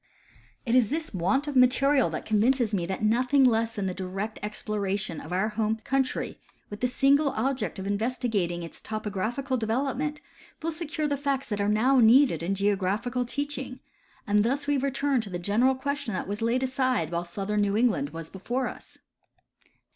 It is this want of material that convinces me that nothing less than the direct exploration of our home country, with the single object of investigating its topographical development, will secure the facts that are now needed in geographical teaching ; and thus we return to the general question that was laid aside while sputhern New Eugiand was before us.